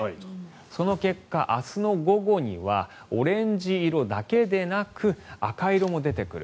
その結果、明日の午後にはオレンジ色だけでなく赤色も出てくる。